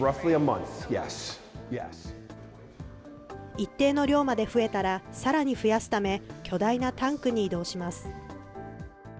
一定の量まで増えたら、さらに増やすため、巨大なタンクに移動します。